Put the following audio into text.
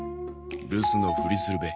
留守のふりするべ。